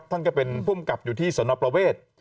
ท่านเป็นผู้กำลังที่สวนประเทศ